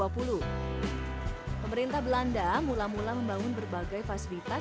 pemerintah belanda mula mula membangun berbagai fasilitas